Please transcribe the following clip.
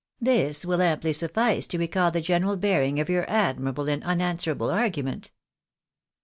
This will amply sufiice to recall the general bearing of your admirable and unanswerable argument."